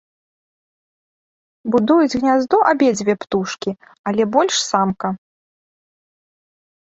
Будуюць гняздо абедзве птушкі, але больш самка.